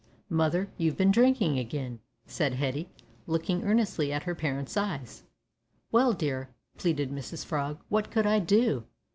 "Mother, you've been drinkin' again," said Hetty, looking earnestly at her parent's eyes. "Well, dear," pleaded Mrs Frog, "what could I do?